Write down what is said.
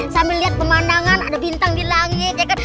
sama liat pemandangan ada bintang di langit